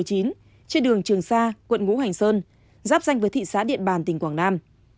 trên đường trường sa quận ngũ hành sơn giáp danh với thị xã điện bàn tỉnh quảng nam